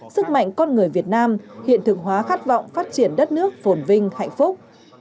sức mạnh con người việt nam hiện thực hóa khát vọng phát triển đất nước phồn vinh hạnh phúc